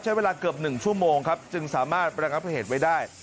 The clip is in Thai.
ใช้เวลาเกือบหนึ่งชั่วโมงครับจึงสามารถแปลงรับประเหตุไว้ได้